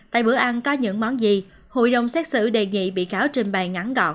tại bữa ăn có những món gì hội đồng xét xử đề nghị bị cáo trình bày ngắn gọn